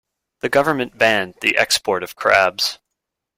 The government banned the export of crabs.